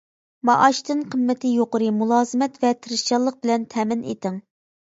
مائاشتىن قىممىتى يۇقىرى، مۇلازىمەت ۋە تىرىشچانلىق بىلەن تەمىن ئېتىڭ.